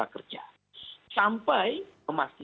maka kita akan melakukan aksi aksi